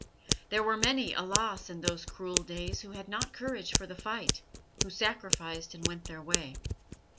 There were many, alas! in those cruel days who had not courage for the fight, who sacrificed, and went their way.